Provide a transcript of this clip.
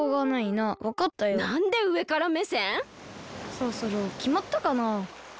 そろそろきまったかな？